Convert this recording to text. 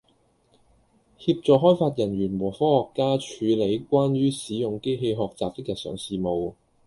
協助開發人員和科學家處理關於使用機器學習的日常事務